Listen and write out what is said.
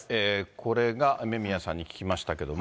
これが雨宮さんに聞きましたけれども。